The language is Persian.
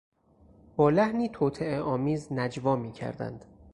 با لحنی توطئهآمیز نجوا میکردند.